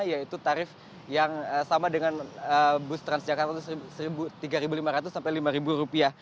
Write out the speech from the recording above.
yaitu tarif yang sama dengan bus transjakarta itu rp tiga lima ratus sampai lima rupiah